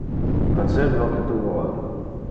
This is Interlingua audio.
Facer lo que tu vole.